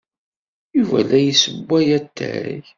Yuba la d-yessewway atay.